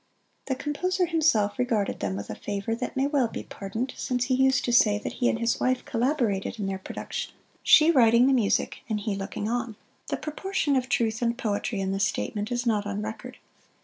The composer himself regarded them with a favor that may well be pardoned, since he used to say that he and his wife collaborated in their production she writing the music and he looking on. The proportion of truth and poetry in this statement is not on record.